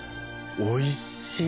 おいしい。